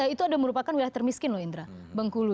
itu ada merupakan wilayah termiskin loh indra bengkulu